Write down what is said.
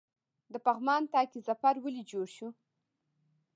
د پغمان طاق ظفر ولې جوړ شو؟